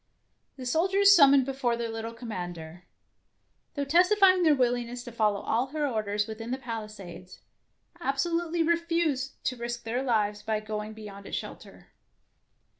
The soldiers summoned before their little commander, though testifying their willingness to follow all her orders within the palisades, absolutely refused to risk their lives by going be yond its shelter.